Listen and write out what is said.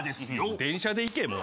電車で行けもう。